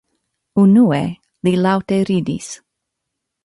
Unue, li laŭte ridis.